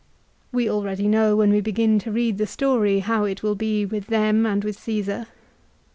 We already know, when we begin to read the story, how it will be with them and with Caesar.